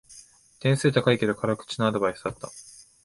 点数高いけど辛口なアドバイスだった